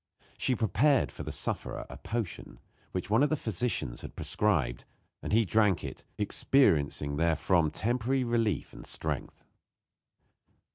She prepared for the sufferer a potion which one of the physicians had prescribed, and he drank it, experiencing therefrom temporary relief and strength.